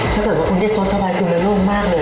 ถ้าเกิดว่าคุณได้ซดเข้าไปคุณจะโล่งมากเลย